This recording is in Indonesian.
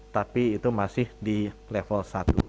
tapi itu masih di level satu